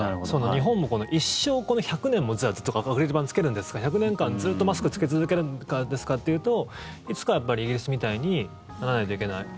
日本も一生、１００年もずっとアクリル板つけるんですか１００年間ずっとマスク着け続けるんですかというといつかはイギリスみたいにならないといけない。